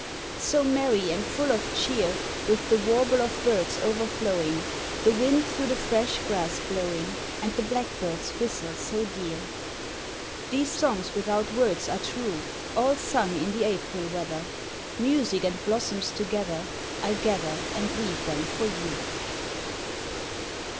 So merry and full of cheer, With the warble of birds overflowing, The wind through the fresh grass blowing And the blackbirds whistle so dear. These songs without words are true, All sung in the April weather Music and blossoms together I gather and weave them for you.